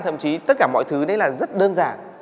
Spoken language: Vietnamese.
thậm chí tất cả mọi thứ đấy là rất đơn giản